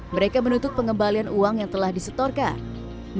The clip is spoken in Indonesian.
mereka menuntut pengembalian uang yang telah disetorkan